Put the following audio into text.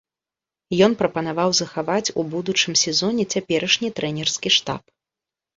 Ён прапанаваў захаваць у будучым сезоне цяперашні трэнерскі штаб.